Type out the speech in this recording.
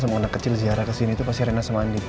sama anak kecil ziarah kesini itu pasti erina sama andi